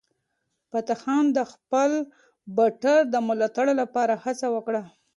فتح خان د خپل ټبر د ملاتړ لپاره هڅه وکړه.